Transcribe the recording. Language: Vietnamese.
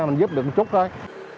mình giúp được một chút thôi